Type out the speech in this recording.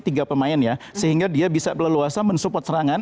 tiga pemain ya sehingga dia bisa leluasa mensupport serangan